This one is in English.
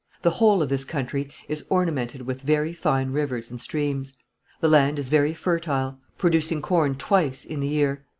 The whole of this country is ornamented with very fine rivers and streams ... the land is very fertile, producing corn twice in the year